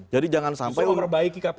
jadi jangan sampai memperbaiki kpk